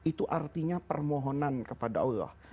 itu artinya permohonan kepada allah